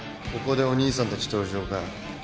ここでお兄さんたち登場か。